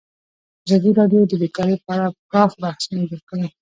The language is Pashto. ازادي راډیو د بیکاري په اړه پراخ بحثونه جوړ کړي.